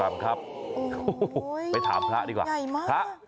เย้ยมากไปถามท่านก่อน